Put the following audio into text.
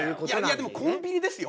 いやでもコンビニですよ？